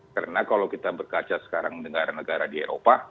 karena kalau kita berkaca sekarang negara negara di eropa